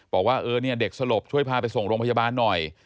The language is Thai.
บอกว่าเด็กสลบช่วยพาไปส่งโรงพยาบาลหน่อย